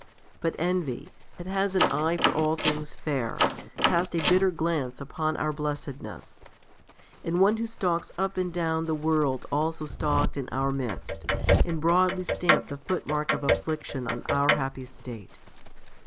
But Envy, that has an eye for all things fair, cast a bitter glance upon our blessedness; and one who stalks up and down the world also stalked in our midst, and broadly stamped the foot mark of affliction on our happy state.